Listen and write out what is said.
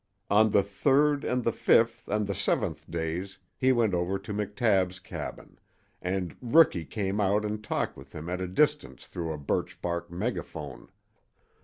On the third and the fifth and the seventh days he went over to McTabb's cabin, and Rookie came out and talked with him at a distance through a birchbark megaphone.